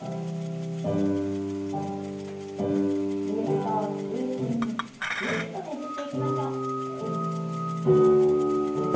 ウエストを中心にぎゅっとねじっていきましょう。